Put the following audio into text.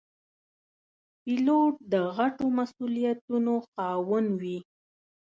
پیلوټ د غټو مسوولیتونو خاوند وي.